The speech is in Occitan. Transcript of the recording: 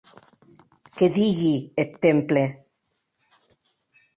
Qué digui eth temple!